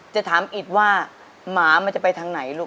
จะถามอิดว่าหมามันจะไปทางไหนลูก